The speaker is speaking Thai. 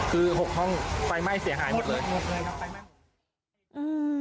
คือ๖ห้องไฟไหม้เสียหายหมดเลย